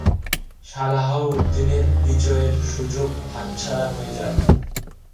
সালাহউদ্দিনের বিজয়ের সুযোগ হাতছাড়া হয়ে যায়।